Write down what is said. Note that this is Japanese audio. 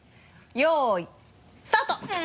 よいスタート！